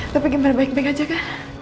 tapi gimana baik baik aja kan